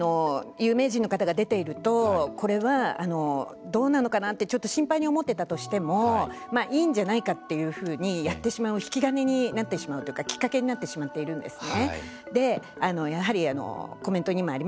本当にですね有名人の方が出ているとこれはどうなのかなってちょっと心配に思ってたとしてもいいんじゃないかというふうにやってしまう引き金になってしまうというかきっかけになってしまっているんですね。